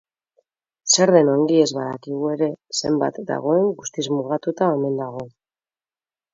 Zer den ongi ez badakigu ere, zenbat dagoen guztiz mugatuta omen dago.